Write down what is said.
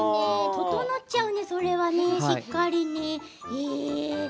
整っちゃうね、それはしっかり。